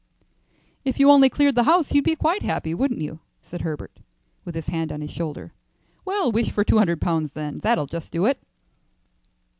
"If you only cleared the house, you'd be quite happy, wouldn't you?" said Herbert, with his hand on his shoulder. "Well, wish for two hundred pounds, then; that 'll just do it."